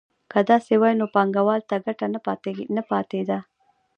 که داسې وای نو بانکوال ته ګټه نه پاتېده